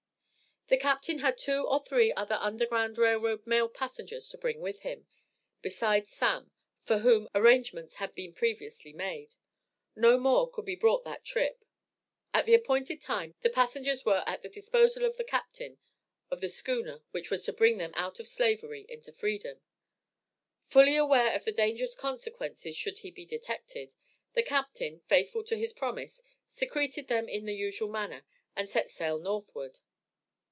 The captain had two or three other Underground Rail Road male passengers to bring with him, besides "Sam," for whom, arrangements had been previously made no more could be brought that trip. At the appointed time, the passengers were at the disposal of the captain of the schooner which was to bring them out of Slavery into freedom. Fully aware of the dangerous consequences should he be detected, the captain, faithful to his promise, secreted them in the usual manner, and set sail northward.